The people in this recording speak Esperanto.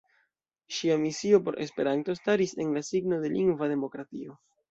Ŝia misio por Esperanto staris en la signo de lingva demokratio.